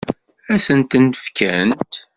Ad sent-ten-fkent?